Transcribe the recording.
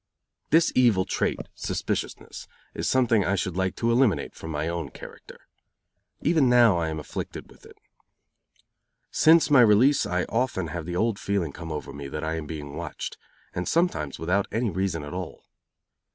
This evil trait, suspiciousness, is something I should like to eliminate from my own character. Even now I am afflicted with it. Since my release I often have the old feeling come over me that I am being watched; and sometimes without any reason at all.